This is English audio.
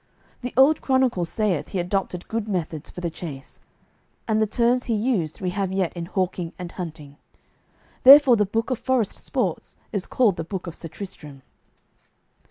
The old chronicle saith he adopted good methods for the chase, and the terms he used we have yet in hawking and hunting. Therefore the book of forest sports is called the Book of Sir Tristram.